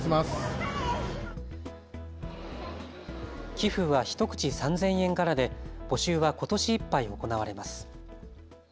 寄付は１口３０００円からで募集はことしいっぱい行われます。